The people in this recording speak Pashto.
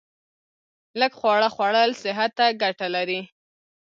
لږ خواړه خوړل صحت ته ګټه لري